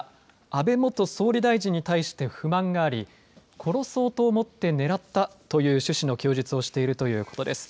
安倍元総理大臣に対して不満があり殺そうと思って狙ったという趣旨の供述をしているということです。